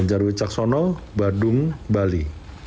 benjar wicaksono badung bali